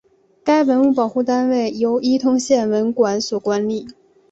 该文物保护单位由伊通县文管所管理。